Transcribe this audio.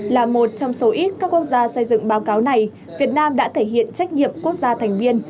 là một trong số ít các quốc gia xây dựng báo cáo này việt nam đã thể hiện trách nhiệm quốc gia thành viên